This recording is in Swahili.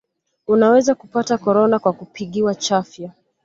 unaweza kupata korona kwa kupigiwa chafya